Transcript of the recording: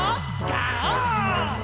ガオー！